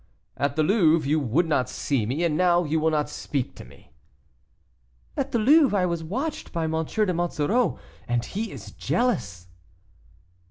"At the Louvre you would not see me, and now you will not speak to me." "At the Louvre I was watched by M. de Monsoreau, and he is jealous."